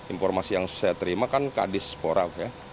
informasi yang saya terima kan kadis porak